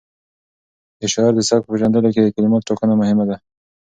د شاعر د سبک په پېژندلو کې د کلماتو ټاکنه مهمه ده.